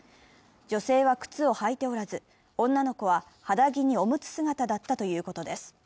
女性は靴を履いておらず、女の子は肌着におむつ姿だったということです。